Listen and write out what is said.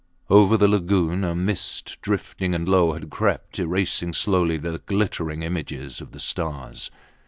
Over the lagoon a mist drifting and low had crept, erasing slowly the glittering images of the stars.